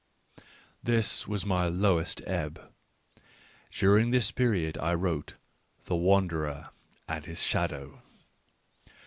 This was my lowest ebb. During this period I wrote The Wanderer and His Shadow.